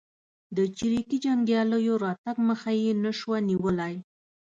د چریکي جنګیالیو راتګ مخه یې نه شوه نیولای.